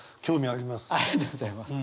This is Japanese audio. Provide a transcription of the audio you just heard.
ありがとうございます。